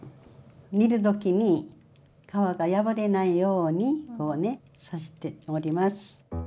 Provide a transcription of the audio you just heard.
煮る時に皮が破れないようにこうね刺しております。